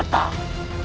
ingat sudah kata